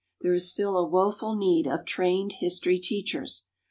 There is still a woeful need of trained history teachers.